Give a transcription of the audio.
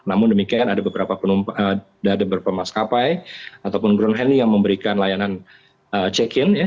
namun demikian ada beberapa penumpang ada beberapa maskapai ataupun ground handling yang memberikan layanan check in ya